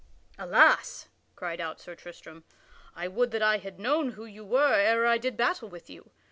"Alas!" cried out Sir Tristram, "I would that I had known who you were ere I did battle with you.